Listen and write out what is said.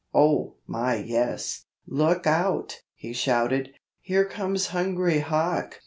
Oh, my yes! "Look out!" he shouted, "here comes Hungry Hawk!"